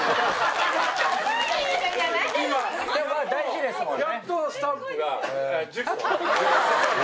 でも大事ですもんね。